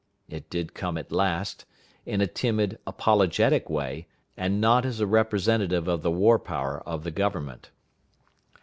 It did come at last, in a timid, apologetic way, and not as a representative of the war power of the Government.